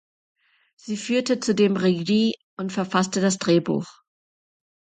Sie führte zudem Regie und verfasste das Drehbuch.